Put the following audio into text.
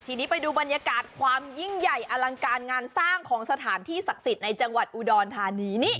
ทีนี้ไปดูบรรยากาศความยิ่งใหญ่อลังการงานสร้างของสถานที่ศักดิ์สิทธิ์ในจังหวัดอุดรธานีนี่